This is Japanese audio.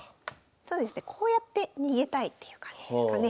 そうですねこうやって逃げたいっていう感じですかね。